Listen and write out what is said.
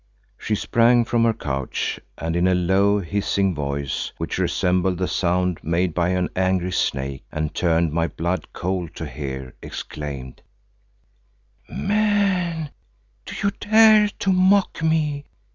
She sprang from her couch and in a low, hissing voice which resembled the sound made by an angry snake and turned my blood cold to hear, exclaimed, "Man, do you dare to mock me?